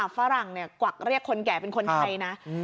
ฝรั่งกวักเรียกคนแก่เป็นคนไทยนะ